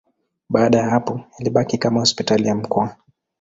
Baada ya hapo ilibaki kama hospitali ya mkoa.